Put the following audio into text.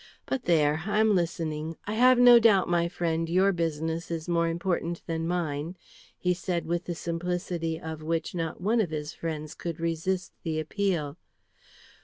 "But there! I am listening. I have no doubt, my friend, your business is more important than mine," he said with the simplicity of which not one of his friends could resist the appeal.